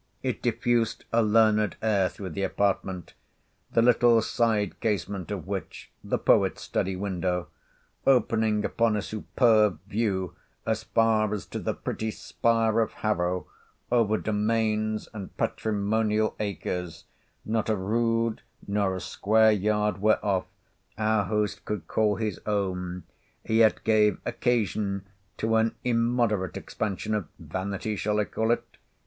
It diffused a learned air through the apartment, the little side casement of which (the poet's study window), opening upon a superb view as far as to the pretty spire of Harrow, over domains and patrimonial acres, not a rood nor square yard whereof our host could call his own, yet gave occasion to an immoderate expansion of—vanity shall I call it?